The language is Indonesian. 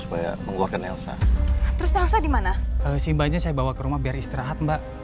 supaya mengeluarkan elsa terus elsa dimana simbanya saya bawa ke rumah biar istirahat mbak